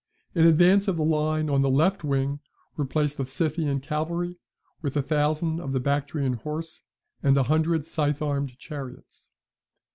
In advance of the line on the left wing were placed the Scythian cavalry, with a thousand of the Bactrian horse, and a hundred scythe armed chariots.